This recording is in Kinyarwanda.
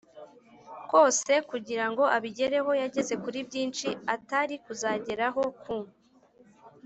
kose kugira ngo abigereho. Yageze kuri byinshi atari kuzageraho ku